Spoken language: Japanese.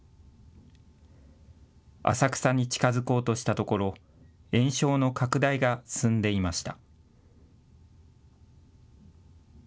浅草に近づこうとしたところ延焼の拡大が進んでいました。